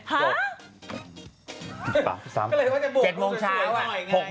ก็เลยว่าจะโบกตัวสวยหน่อย